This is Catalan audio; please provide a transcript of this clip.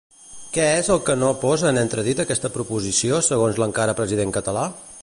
Què és el que no posa en entredit aquesta proposició, segons l'encara president català?